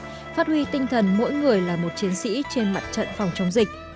phát huy tinh thần mỗi người là một chiến sĩ trên mặt trận phòng chống dịch